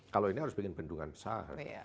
kalau ini harus bikin bendungan besar